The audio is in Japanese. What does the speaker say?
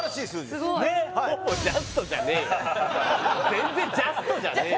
全然ジャストじゃねえよ